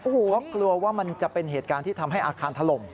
เพราะกลัวว่ามันจะเป็นเหตุการณ์ที่ทำให้อาคารถล่ม